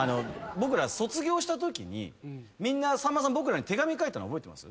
僕ら卒業したときにさんまさん僕らに手紙書いたの覚えてます？